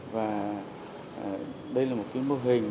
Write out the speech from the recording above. và đây là một cái mô hình